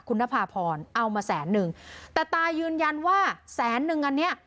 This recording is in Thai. คุณนภาพรเอามาแสนนึงแต่ตายืนยันว่าแสนนึงอันเนี้ย